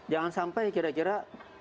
jangan sampai kira kira